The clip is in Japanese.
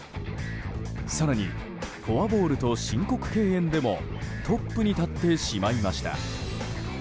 更にフォアボールと申告敬遠でもトップに立ってしまいました。